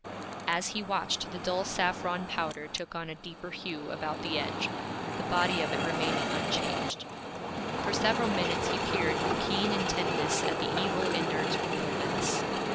As he watched, the dull saffron powder took on a deeper hue about the edge, the body of it remaining unchanged. For several minutes he peered with keen intentness at the evil, inert little mass.